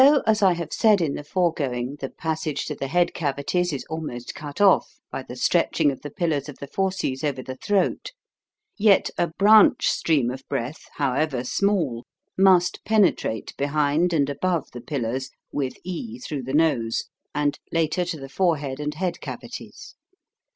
EQUALIZING THE VOICE. FORM 59 Though, as I have said in the foregoing, the passage to the head cavities is almost cut off OTT by the stretching of the pillars of the fauces over the throat, yet a branch stream of breath, however small, must penetrate behind and above the pillars, with e through the nose, and later to the forehead and head cavities.